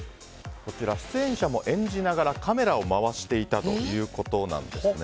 出演者も演じながらカメラを回していたということなんです。